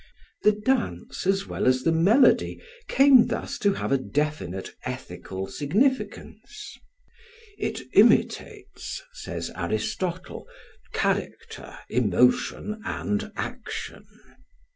The dance as well as the melody came thus to have a definite ethical significance; "it imitates," says Aristotle, "character, emotion, and action."